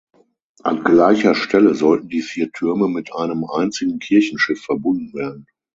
An gleicher Stelle sollten die vier Türme mit einem einzigen Kirchenschiff verbunden werden.